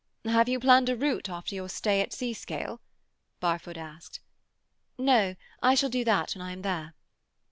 "Have you planned a route after your stay at Seascale?" Barfoot asked. "No. I shall do that when I am there."